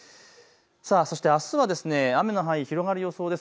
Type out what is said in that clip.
そしてあすは雨の範囲、広がる予想です。